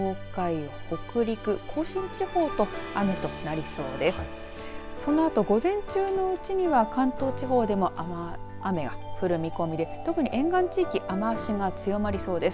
そのあと午前中のうちには関東地方でも雨が降る見込みで特に沿岸地域雨足が強まりそうです。